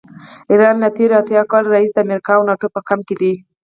ایران له تېرو اتیا کالو راهیسې د امریکا او ناټو په کمپ کې دی.